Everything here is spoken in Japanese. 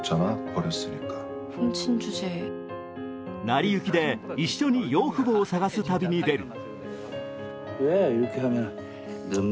成り行きで一緒に養父母を探す旅に出る。